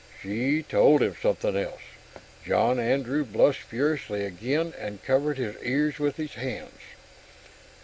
She told him something else. John Andrew blushed furiously again, and covered his ears with his hands.